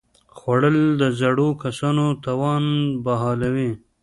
خوړل د زړو کسانو توان بحالوي